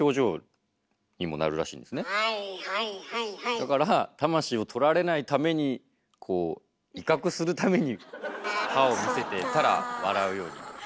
だから魂を取られないためにこう威嚇するために歯を見せてたら笑うようになった。